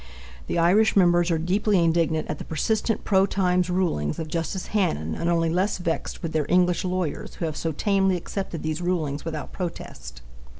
The Irish members are deeply indignant at the persistent pro Times rulings of Justice Hannen and only less vexed with their English lawyers, who have so tamely accepted these rulings without protest.